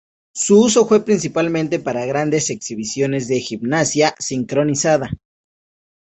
Su uso fue principalmente para grandes exhibiciones de gimnasia sincronizada.